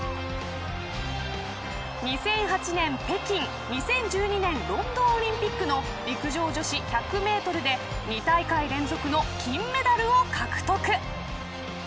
２００８年、北京２０１２年ロンドンオリンピックの陸上女子１００メートルで２大会連続の金メダルを獲得。